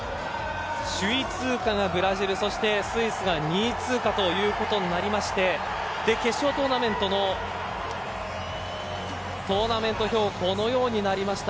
首位通過がブラジルそしてスイスが２位通過ということになりまして決勝トーナメントのトーナメント表このようになりました。